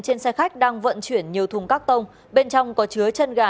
trên xe khách đang vận chuyển nhiều thùng các tông bên trong có chứa chân gà